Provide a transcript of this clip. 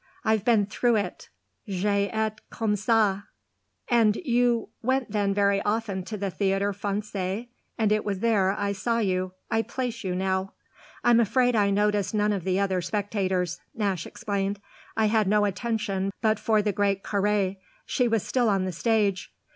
I've been through it j'ai été comme ça." "And you went then very often to the Théâtre Français, and it was there I saw you. I place you now." "I'm afraid I noticed none of the other spectators," Nash explained. "I had no attention but for the great Carré she was still on the stage.